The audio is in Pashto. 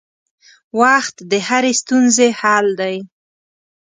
وخت د هرې ستونزې حل دی.